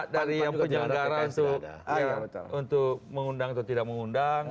dari yang penyelenggara untuk mengundang atau tidak mengundang